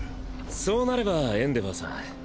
そうなればエンデヴァーさん